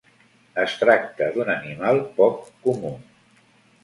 Es tracta d'un animal poc comú.